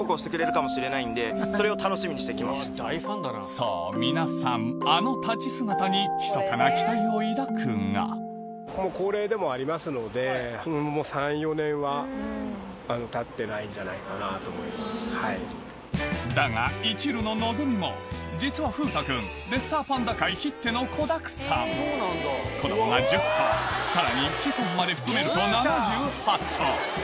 そう皆さんあの立ち姿にひそかな期待を抱くがだがいちるの望みも実は風太くん子供が１０頭さらに子孫まで含めると７８頭